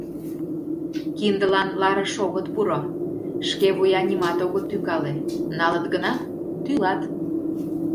Киндылан ларыш огыт пуро, шке вуя нимат огыт тӱкале, налыт гынат — тӱлат.